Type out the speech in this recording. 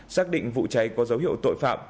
xác định vụ cháy có dấu hiệu tội phạm